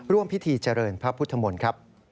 ร่วมพิธีเจริญพระพุทธมนตร์ครับ